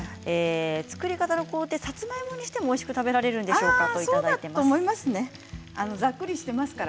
作り方の工程、サツマイモにしても、おいしくいただけるんでしょうか。